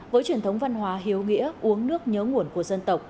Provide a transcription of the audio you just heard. với truyền thống văn hóa hiếu nghĩa uống nước nhớ nguồn của dân tộc